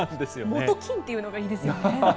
藻と金というのがいいですよね。